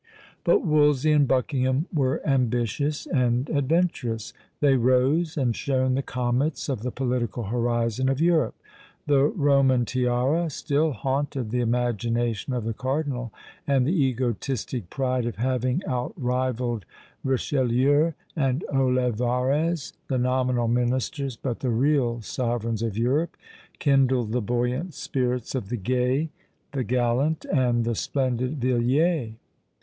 But Wolsey and Buckingham were ambitious and adventurous; they rose and shone the comets of the political horizon of Europe. The Roman tiara still haunted the imagination of the Cardinal: and the egotistic pride of having out rivalled Richelieu and Olivarez, the nominal ministers but the real sovereigns of Europe, kindled the buoyant spirits of the gay, the gallant, and the splendid Villiers.